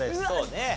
そうね。